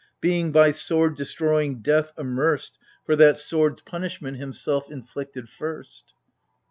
Being by sword destroying death amerced For that sword's punishment himself inflicted first.